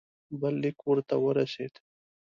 بل لیک ورته ورسېد.